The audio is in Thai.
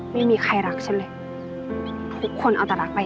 ไม่มีใครรักฉันเลยทุกคนเอาแต่รักไป